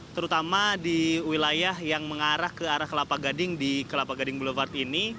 terutama di wilayah yang mengarah ke arah kelapa gading di kelapa gading boulevard ini